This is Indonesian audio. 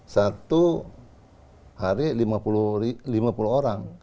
satu hari lima puluh orang